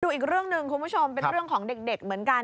อีกเรื่องหนึ่งคุณผู้ชมเป็นเรื่องของเด็กเหมือนกัน